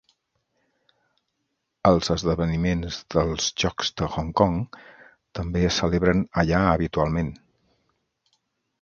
Els esdeveniments dels Jocs de Hong Kong també es celebren allà habitualment.